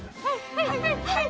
はい